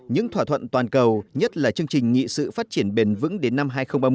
những thỏa thuận toàn cầu nhất là chương trình nghị sự phát triển bền vững đến năm hai nghìn ba mươi